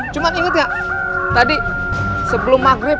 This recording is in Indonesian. cuma inget gak tadi sebelum maghrib